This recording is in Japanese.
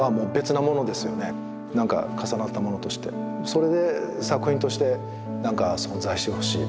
それで作品としてなんか存在してほしい。